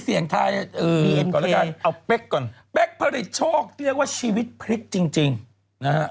เดี๋ยวค่อยคุกกี้ทำว่าชีวิตพริกจริงจริงนะฮ่ะ